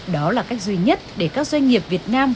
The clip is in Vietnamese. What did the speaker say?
đó là cách duy nhất để các doanh nghiệp việt nam